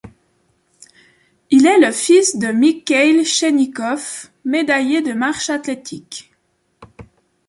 Il est le fils de Mikhail Shchennikov, médaillé de marche athlétique.